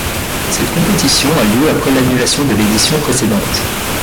Cette compétition a lieu après l'annulation de l'édition précédente.